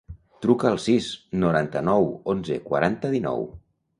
Truca al sis, noranta-nou, onze, quaranta, dinou.